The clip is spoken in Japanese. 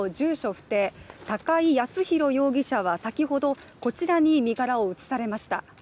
不定、高井靖弘容疑者は先ほどこちらに身柄を移されました。